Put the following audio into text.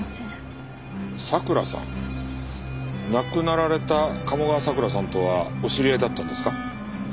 亡くなられた鴨川咲良さんとはお知り合いだったんですか？